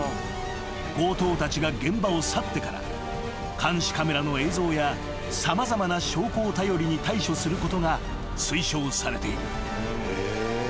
［強盗たちが現場を去ってから監視カメラの映像や様々な証拠を頼りに対処することが推奨されている］